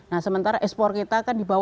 nah sementara export kita kan di bawah itu